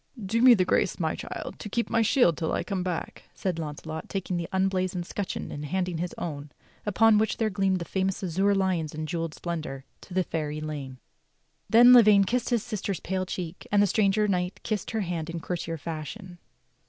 "Do me the grace, my child, to keep my shield till I come back," said Launcelot taking the unblazoned scutcheon and handing his own, upon whch there gleamed the famous azure lions in jewelled splendor, to the fair Elaine. Then Lavaine kissed his sister's pale cheeks, and the stranger knight kissed her hand in courtier fashion.